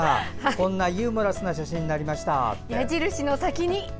こんなユーモラスな写真になりましたって。